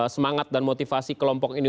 semangat dan motivasi kelompok ini